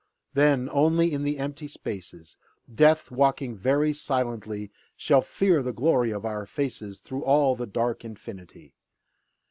Then only in the empty spaces, Death, walking very silently, Shall fear the glory of our faces Through all the dark infinity.